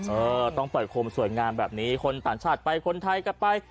เออต้องปล่อยโคมสวยงามแบบนี้คนต่างชาติไปคนไทยกลับไป